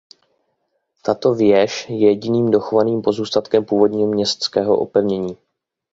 Tato věž je jediným dochovaným pozůstatkem původního městského opevnění.